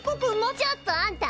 ちょっとあんた